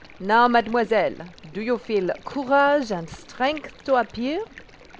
Now, Mademoiselle, do you feel courage and strength to appear?"